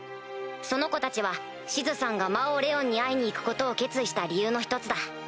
その子たちはシズさんが魔王レオンに会いに行くことを決意した理由の一つだ。